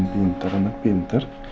pinter anak pinter